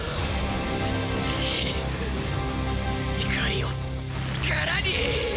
怒りを力に！